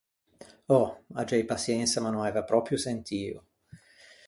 Òh, aggei paçiensa ma no aiva pròpio sentio.